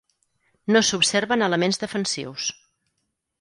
No s'observen elements defensius.